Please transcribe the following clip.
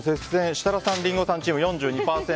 設楽さん、リンゴさんチーム４２％